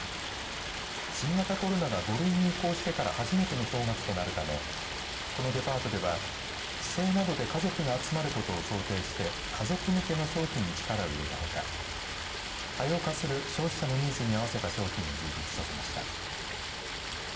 新型コロナが５類に移行してから初めての正月となるためこのデパートでは帰省などで家族が集まることを想定して家族向けの商品に力を入れたほか多様化する消費者のニーズに合わせた商品を充実させました。